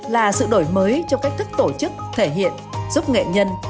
là sự đổi mới trong cách thức tổ chức thể hiện giúp nghệ nhân